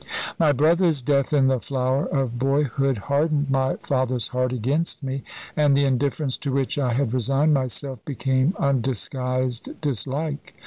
"My brother's death in the flower of boyhood hardened my father's heart against me; and the indifference to which I had resigned myself became undisguised dislike.